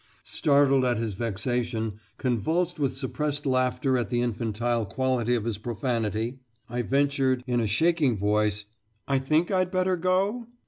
Startled at his vexation, convulsed with suppressed laughter at the infantile quality of his profanity, I ventured, in a shaking voice, "I think I'd better go?"